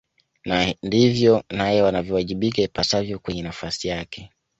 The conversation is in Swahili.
na ndivyo naye anavyowajibika ipasavyo kwenye nafasi yake